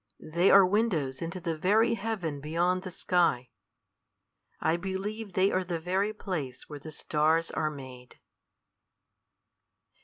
They are windows into the very heaven beyond the sky. I believe they are the very place where the stars are made."